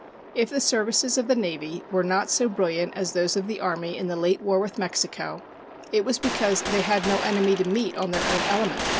If the services of the Navy were not so brilliant as those of the Army in the late war with Mexico, it was because they had no enemy to meet on their own element.